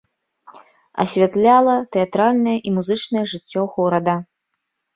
Асвятляла тэатральнае і музычнае жыццё горада.